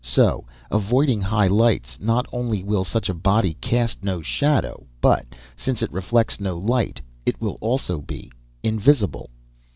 So, avoiding high lights, not only will such a body cast no shadow, but, since it reflects no light, it will also be invisible."